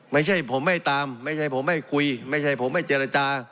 ไม่ใช่ผมไม่ตามไม่ใช่ผมไม่คุยไม่ใช่ผมไม่เจรจา